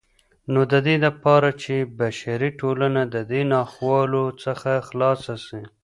نو ددې دپاره چې بشري ټولنه ددې ناخوالو څخه خلاصه سي